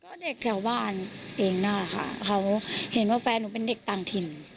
เพราะเด็กแถวบ้านเองนะคะเขาเห็นว่าแฟนหนูเป็นเด็กต่างถิ่น